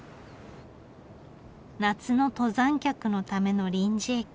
夏の登山客のための臨時駅。